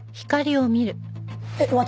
えっ私？